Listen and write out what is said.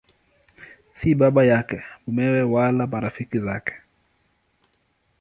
Si baba yake, mumewe wala marafiki zake.